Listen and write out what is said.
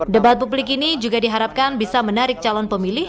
debat publik ini juga diharapkan bisa menarik calon pemilih